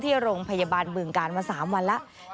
ที่โรงพยาบาลบึงการมา๓วันแล้ว